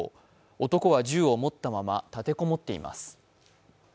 男は銃を持ったまま立て籠もっています。